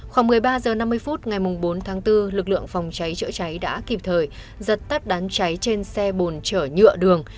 khoảng một mươi ba h năm mươi phút ngày bốn tháng bốn lực lượng phòng cháy chữa cháy đã kịp thời dập tắt đám cháy trên xe bồn chở nhựa đường